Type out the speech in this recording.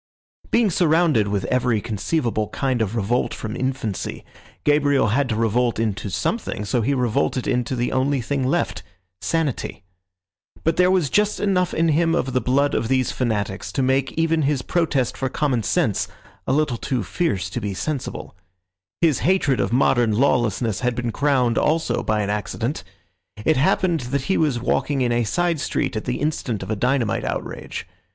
Being surrounded with every conceivable kind of revolt from infancy, Gabriel had to revolt into something, so he revolted into the only thing left—sanity. But there was just enough in him of the blood of these fanatics to make even his protest for common sense a little too fierce to be sensible. His hatred of modern lawlessness had been crowned also by an accident. It happened that he was walking in a side street at the instant of a dynamite outrage.